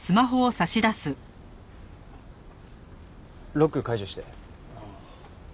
ロック解除して。